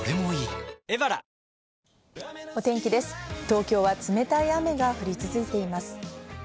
東京は冷たい雨が降り続いています。